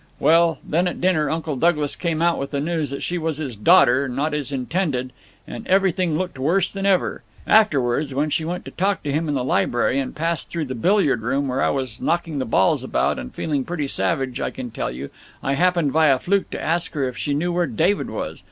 Well, then, at dinner, Uncle Douglas came out with the news that she was his daughter, not his intended, and everything looked worse than ever. Afterwards when she went to talk to him in the library, and passed through the billiard room where I was knocking the balls about and feeling pretty savage, I can tell you, I happened, by a fluke, to ask her if she knew where David was.